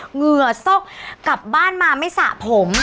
เหงื่อซกกลับบ้านมาไม่สระผม